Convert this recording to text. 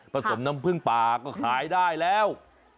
สมน้ำผึ้งป่าก็ขายได้แล้ว